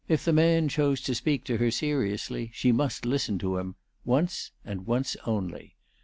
If the man chose to speak to her seriously, she must listen to him, once, and once only.